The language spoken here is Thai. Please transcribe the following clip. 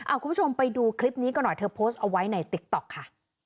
คุณผู้ชมไปดูคลิปนี้กันหน่อยเธอโพสต์เอาไว้ในติ๊กต๊อกค่ะ